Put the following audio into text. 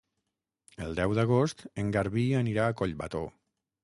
El deu d'agost en Garbí anirà a Collbató.